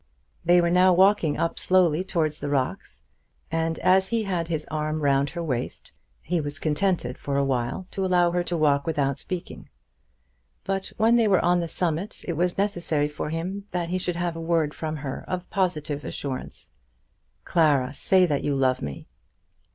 They were now walking up slowly towards the rocks. And as he had his arm round her waist, he was contented for awhile to allow her to walk without speaking. But when they were on the summit it was necessary for him that he should have a word from her of positive assurance. "Clara, say that you love me."